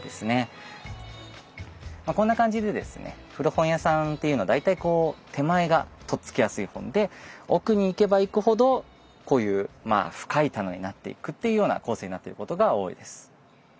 こんな感じで古本屋さんっていうのは大体手前がとっつきやすい本で奥に行けば行くほどこういう深い棚になっていくっていうような構成になってることが多いです。